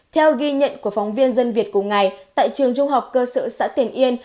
theo ghi nhận của phóng viên dân việt cùng ngày tại trường trung học cơ sở xã tiền yên